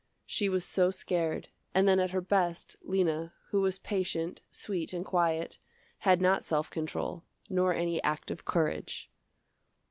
She was so scared, and then at her best, Lena, who was patient, sweet and quiet, had not self control, nor any active courage.